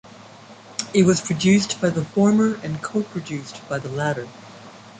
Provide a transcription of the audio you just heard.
It was produced by the former and co-produced by the latter.